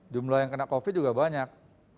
jumlah yang kena covid juga banyak